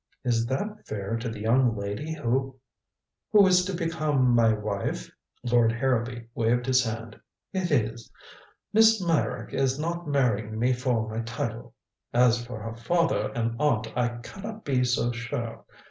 "Is that fair to the young lady who " "Who is to become my wife?" Lord Harrowby waved his hand. "It is. Miss Meyrick is not marrying me for my title. As for her father and aunt, I can not be so sure.